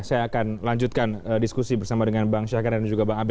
saya akan lanjutkan diskusi bersama dengan bang syahkan dan juga bang abe